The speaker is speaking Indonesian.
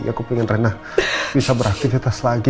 aku pengen rena bisa beraktifitas lagi